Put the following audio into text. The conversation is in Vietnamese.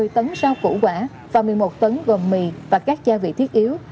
một mươi tấn rau củ quả và một mươi một tấn gồm mì và các gia vị thiết yếu